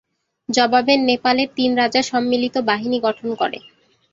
জবাবে নেপালের তিন রাজা সম্মিলিত বাহিনী গঠন করে।